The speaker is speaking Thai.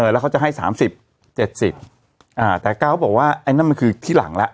แล้วเขาจะให้๓๐๗๐แต่ก้าวบอกว่าไอ้นั่นมันคือที่หลังแล้ว